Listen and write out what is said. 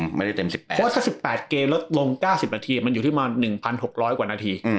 เพราะว่าถ้า๑๘เกมแล้วลง๙๐นาทีมันอยู่ที่มา๑๖๐๐กว่านาที